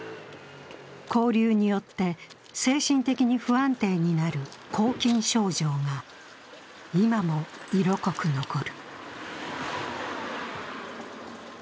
拘留によって精神的に不安定になる拘禁症状が今も色濃く残る。